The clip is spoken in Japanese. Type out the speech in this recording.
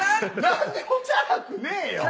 何もチャラくねえよ！